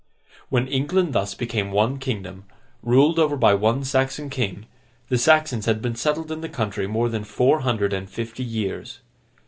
When England thus became one kingdom, ruled over by one Saxon king, the Saxons had been settled in the country more than four hundred and fifty years.